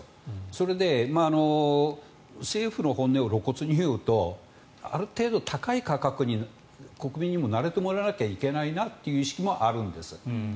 それで政府の本音を露骨に言うとある程度、高い価格に国民にも慣れてもらわなきゃいけないなという意識もあるんです。